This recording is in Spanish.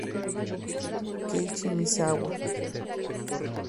Keiichi Misawa